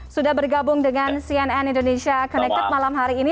sudah bergabung dengan cnn indonesia connected malam hari ini